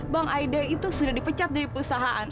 bang aida itu sudah dipecat dari perusahaan